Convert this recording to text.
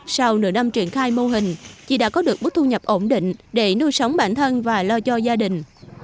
sau nửa năm triển khai mô hình chị đã có được bức thu nhập ổn định để nuôi sống bản thân và lo cho gia đình